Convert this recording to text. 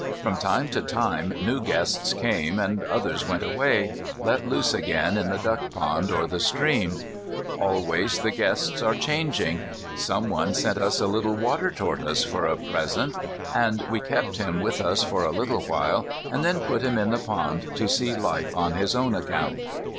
From time to time new guests came, and others went away, let loose again in the duck pond or the stream. Always the guests are changing. Someone sent us a little water tortoise for a present, and we kept him with us for a little while, and then put him in the pond to see life on his own account.